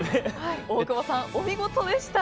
大久保さん、お見事でした。